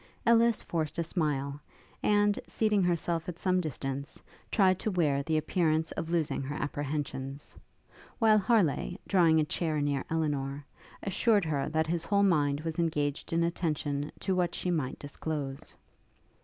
Ellis forced a smile, and, seating herself at some distance, tried to wear the appearance of losing her apprehensions; while Harleigh, drawing a chair near Elinor, assured her that his whole mind was engaged in attention to what she might disclose.